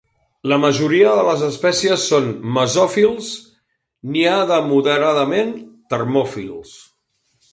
La majoria de les espècies són mesòfils, n'hi ha de moderadament termòfils.